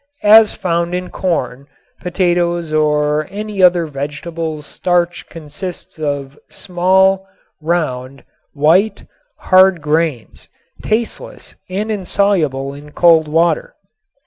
As found in corn, potatoes or any other vegetables starch consists of small, round, white, hard grains, tasteless, and insoluble in cold water.